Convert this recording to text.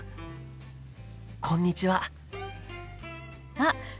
あっ！